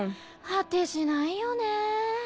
果てしないよね。